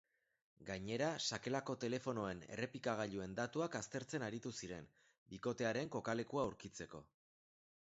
Gainera, sakelako telefonoen errepikagailuen datuak aztertzen aritu ziren, bikotearen kokalekua aurkitzeko.